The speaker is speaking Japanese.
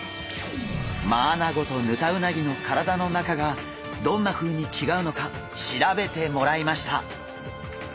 マアナゴとヌタウナギの体の中がどんなふうに違うのか調べてもらいました。